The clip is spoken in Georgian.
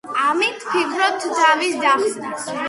ამით ვფიქრობთ თავის დახსნას!